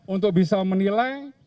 untuk bisa menilai